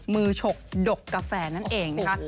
มือฉกดกกาแฟนั้นเองคะ